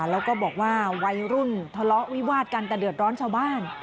แล้วก็บอกว่าวัยรุ่นทะเลาะวิวาดกันแต่เดือดร้อนชาวบ้าน